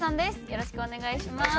よろしくお願いします。